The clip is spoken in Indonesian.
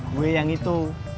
gue yang itu